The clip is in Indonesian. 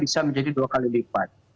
bisa menjadi dua kali lipat